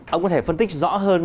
ông có thể phân tích rõ hơn